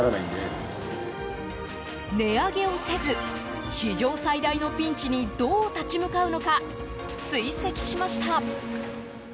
値上げをせず史上最大のピンチにどう立ち向かうのか追跡しました。